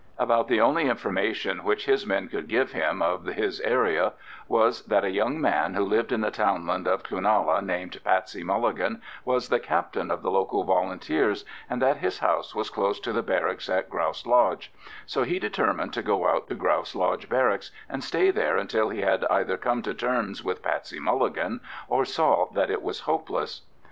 About the only information which his men could give him of his area was that a young man, who lived in the townland of Cloonalla, named Patsey Mulligan, was the captain of the local Volunteers, and that his house was close to the barracks at Grouse Lodge; so he determined to go out to Grouse Lodge Barracks and stay there until he had either come to terms with Patsey Mulligan, or saw that it was hopeless.